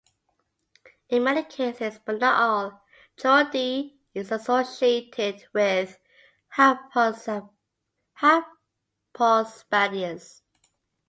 In many cases but not all, chordee is associated with hypospadias.